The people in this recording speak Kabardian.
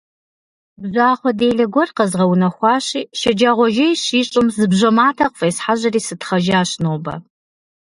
Бжьахъуэ делэ гуэр къэзгъэунэхуащи, шэджагъуэ жей щищӀым зы бжьэ матэ къыфӀесхьэжьэри сытхъэжащ нобэ.